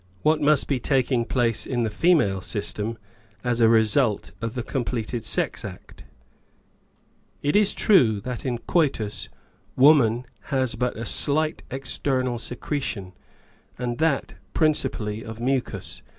What must be taking place in the female system as a result of the completed sex act ? It is true that in coitus woman has but a slight external secretion, and that principally of mucus.